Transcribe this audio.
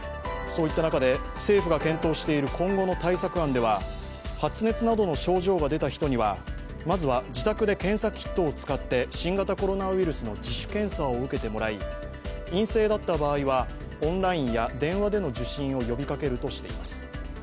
そういった中で政府が検討している今後の対策案では発熱などの症状が出た人には、まずは自宅で検査キットを使って新型コロナウイルスの自主検査を受けてもらい陰性だった場合はオンラインや電話での受診を呼びかけるとしています。